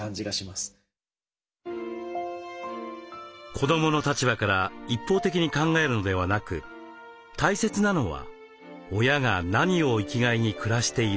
子どもの立場から一方的に考えるのではなく大切なのは親が何を生きがいに暮らしているのか。